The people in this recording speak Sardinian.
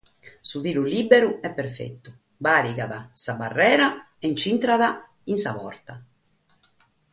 Su tiru lìberu est perfetu, nche bàrigat sa barriera e nch'intrat a porta.